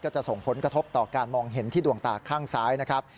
จะส่งผลกระทบต่อการมองเห็นที่ดวงตาข้างซ้ายนะครับ